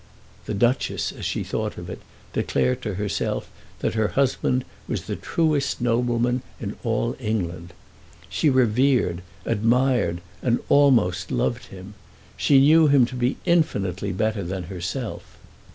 The Duchess, as she thought of it, declared to herself that her husband was the truest nobleman in all England. She revered, admired, and almost loved him. She knew him to be infinitely better than herself.